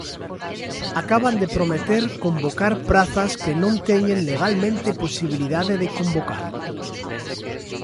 Acaban de prometer convocar prazas que non teñen legalmente posibilidade de convocar.